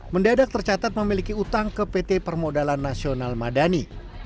mendadak tercatat memiliki utang ke pt permodalan nasional madani